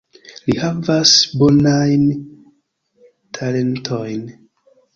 Li havas bonajn talentojn.